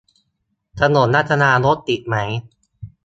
ถนนรัชดารถติดไหม